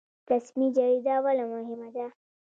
رسمي جریده ولې مهمه ده؟